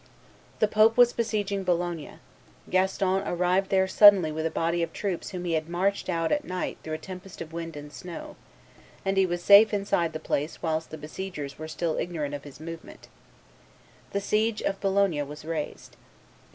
The pope was besieging Bologna; Gaston arrived there suddenly with a body of troops whom he had marched out at night through a tempest of wind and snow; and he was safe inside the place whilst the besiegers were still ignorant of his movement. The siege of Bologna was raised.